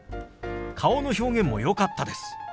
顔の表現もよかったです。